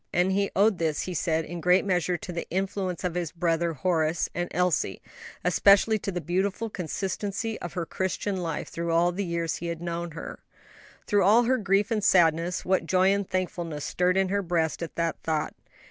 And he owed this, he said, in great measure to the influence of his brother Horace and Elsie, especially to the beautiful consistency of her Christian life through all the years he had known her. Through all her grief and sadness, what joy and thankfulness stirred in her breast at that thought.